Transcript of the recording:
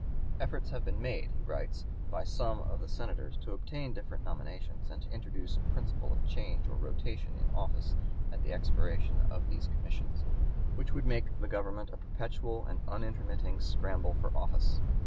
"Efforts had been made," he writes, "by some of the senators to obtain different nominations, and to introduce a principle of change or (p. 179) rotation in office at the expiration of these commissions, which would make the Government a perpetual and unintermitting scramble for office.